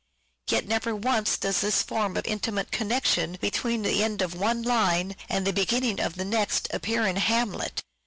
Yet never once does this form of intimate connection between the end of one line and the beginning of the next 'THE TEMPEST' 537 appear in " Hamlet."